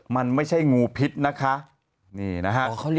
มันไม่ใช่งูผิดนะคะ